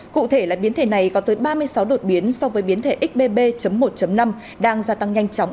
cụ thể là biến thể này có tới ba mươi sáu đột biến so với biến thể xbb một năm đang gia tăng nhanh chóng